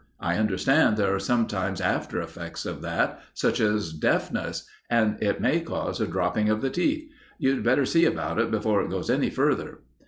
I understand there are sometimes after effects of that, such as deafness, and it may cause a dropping of the teeth. You'd better see about it before it goes any further."